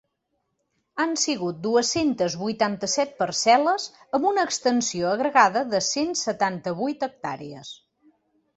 Han sigut dues-centes vuitanta-set parcel·les amb una extensió agregada de cent setanta-vuit hectàrees.